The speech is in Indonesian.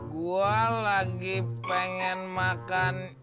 gue lagi pengen makan